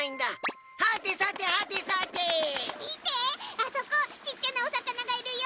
あそこちっちゃなおさかながいるよ！